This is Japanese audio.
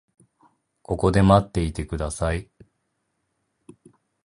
ここで待っていてください。